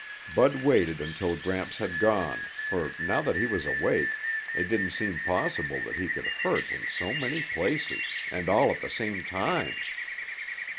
Bud waited until Gramps had gone, for now that he was awake, it didn't seem possible that he could hurt in so many places and all at the same time.